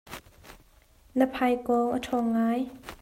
Na paikawng a ṭhawng ngai.